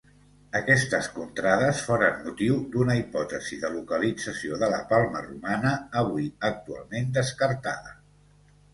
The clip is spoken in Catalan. Aquestes contrades foren motiu d'una hipòtesi de localització de la Palma romana, avui actualment descartada.